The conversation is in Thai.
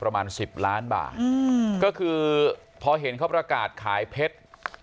ประมาณสิบล้านบาทอืมก็คือพอเห็นเขาประกาศขายเพชร